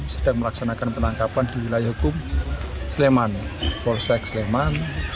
sedang melaksanakan penangkapan di wilayah hukum sleman polsek sleman